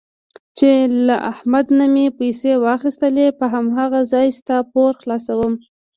چې له احمد نه مې پیسې واخیستلې په هماغه ځای ستا پور خلاصوم.